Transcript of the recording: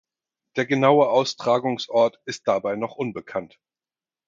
Der genaue Austragungsort ist dabei noch unbekannt.